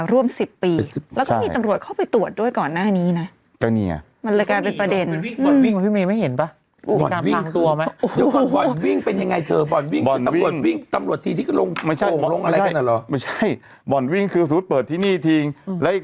รุเล็ตก็แกเล่นกับฉันอยู่เอง่หนุ่ม